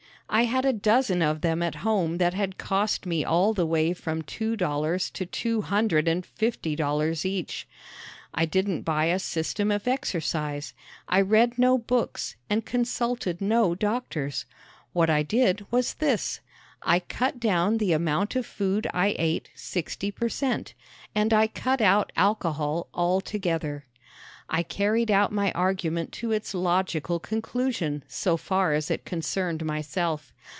I had a dozen of them at home that had cost me all the way from two dollars to two hundred and fifty dollars each. I didn't buy a system of exercise. I read no books and consulted no doctors. What I did was this: I cut down the amount of food I ate sixty per cent and I cut out alcohol altogether! I carried out my argument to its logical conclusion so far as it concerned myself.